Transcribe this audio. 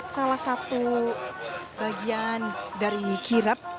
salah satu bagian dari kirap